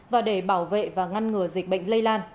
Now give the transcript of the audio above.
và để bảo vệ và ngăn ngừa dịch bệnh lây lan